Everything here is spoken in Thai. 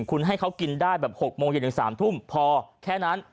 คุณให้เขากินได้แบบ๖โมงเย็นถึง๓ทุ่มพอแค่นั้น